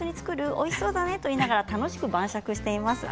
おいしそうだねと言いながら楽しく晩酌しています。